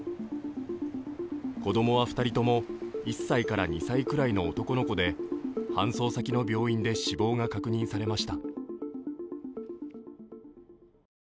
子供は２人とも、１歳から２歳くらいの男の子で搬送先の病院で死亡が確認されました。